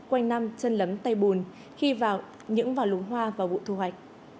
năm năm chân lấm tay bùn khi những vào lùng hoa vào bụi thu hoạch